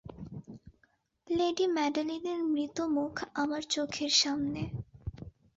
Lady মেডেলিনের মৃত মুখ আমার চোখের সামনে।